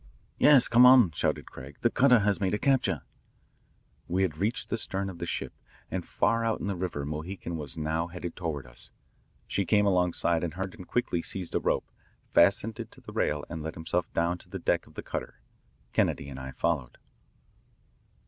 "Yes, come on," shouted Craig. "The cutter has made a capture." We had reached the stern of the ship, and far out in the river the Mohican was now headed toward us. She came alongside, and Herndon quickly seized a rope, fastened it to the rail, and let himself down to the deck of the cutter. Kennedy and I followed.